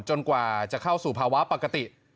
กว่าจะเข้าสู่ภาวะปกติ